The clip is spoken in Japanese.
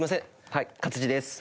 はい勝地です。